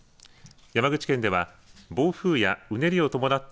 山口県では暴風やうねりを伴った